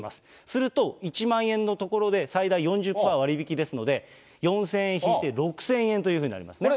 すると、１万円のところで最大４０％割引ですので、４０００円引いて６０００円というふうになりますね。